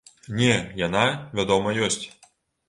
Не, яна, вядома, ёсць.